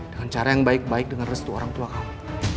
dengan cara yang baik baik dengan restu orang tua kamu